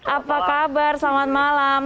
apa kabar selamat malam